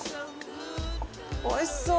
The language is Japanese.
おいしそう！